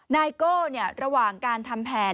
นายโก้ระหว่างการทำแผน